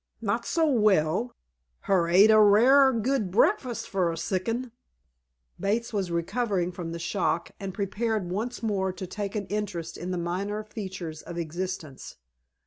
"Not so well! Her ate a rare good breakfast for a sick 'un!" Bates was recovering from the shock, and prepared once more to take an interest in the minor features of existence.